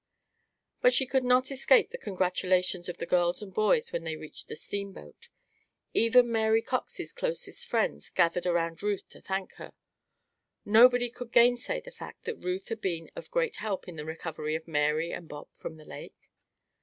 But she could not escape the congratulations of the girls and boys when they reached the steamboat. Even Mary Cox's closest friends gathered around Ruth to thank her. Nobody could gainsay the fact that Ruth had been of great help in the recovery of Mary and Bob from the lake.